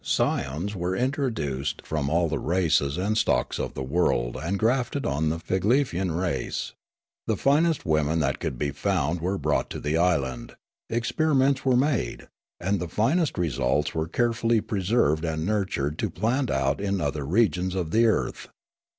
Scions were intro duced from all the races and stocks of the world and grafted on the Figlefian race. The finest women that could be found were brought to the island, experi ments were made, and the finest results were carefully preserved and nurtured to plant out in other regions of the earth.